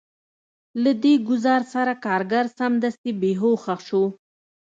له دې ګزار سره کارګر سمدستي بې هوښه شو